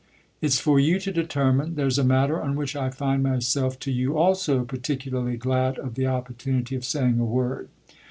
" It's for you to determine. There's a matter on which I find myself, to you also, particularly glad of the opportunity of saying a word."